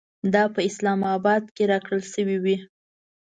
دا په اسلام اباد کې راکړل شوې وې.